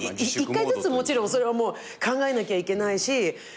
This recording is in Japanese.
１回ずつもちろんそれは考えなきゃいけないし。